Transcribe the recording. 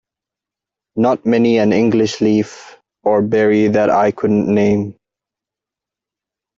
Not many an English leaf or berry that I couldn't name.